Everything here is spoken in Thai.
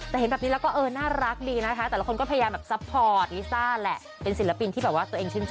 แต่เห็นแบบนี้แล้วก็เออน่ารักดีนะคะ